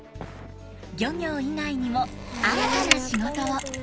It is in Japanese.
漁業以外にも新たな仕事を。